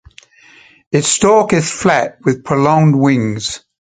Its stalk is flat with prolonged wings.